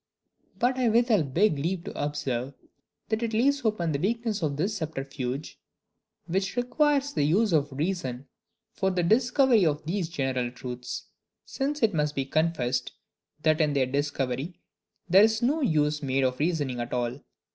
But I withal beg leave to observe, that it lays open the weakness of this subterfuge, which requires the use of reason for the discovery of these general truths: since it must be confessed that in their discovery there is no use made of reasoning at all.